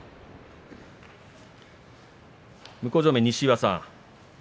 向正面の西岩さん